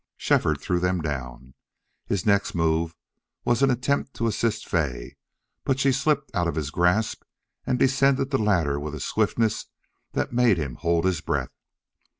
Shefford threw them down. His next move was an attempt to assist Fay, but she slipped out of his grasp and descended the ladder with a swiftness that made him hold his breath.